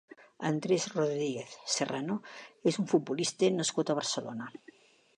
Andrés Rodríguez Serrano és un futbolista nascut a Barcelona.